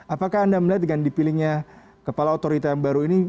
apakah anda melihat dengan dipilihnya kepala otorita yang baru ini